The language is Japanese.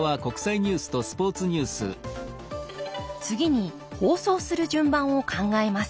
次に放送する順番を考えます。